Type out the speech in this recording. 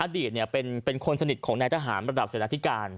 อดีตเป็นคนสนิทของแน่ทหารระดับศีลาธิการ